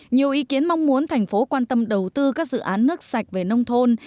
nhiều ý kiến mong muốn thành phố quan tâm đầu tư các dự án nước sạch về nông thôn